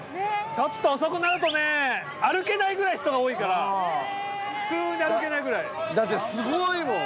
ちょっと遅くなるとね歩けないぐらい人が多いから普通に歩けないぐらいだってすごいもん